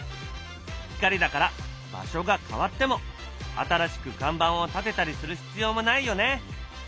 光だから場所が変わっても新しく看板をたてたりする必要もないよね。